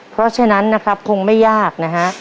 เพราะฉะนั้นนะครับคงไม่ยากนะฮะ